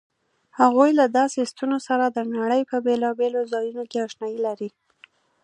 هغوی له داسې ستنو سره د نړۍ په بېلابېلو ځایونو کې آشنايي لري.